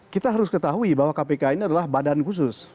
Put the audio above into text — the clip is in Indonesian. kita harus ketahui bahwa kpk ini adalah badan khusus